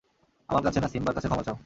আমার কাছে না, সিম্বার কাছে ক্ষমা চাও।